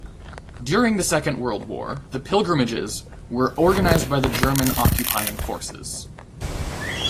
During the Second World War the pilgrimages were organised by the German occupying forces.